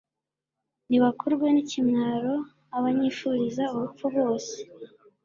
nibakorwe n'ikimwaro, abanyifuriza urupfu bose